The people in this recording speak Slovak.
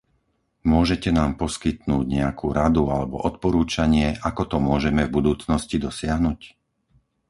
Môžete nám poskytnúť nejakú radu alebo odporúčanie, ako to môžeme v budúcnosti dosiahnuť?